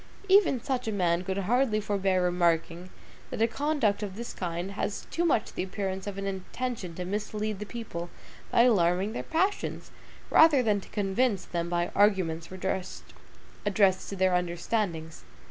Even such a man could hardly forbear remarking, that a conduct of this kind has too much the appearance of an intention to mislead the people by alarming their passions, rather than to convince them by arguments addressed to their understandings.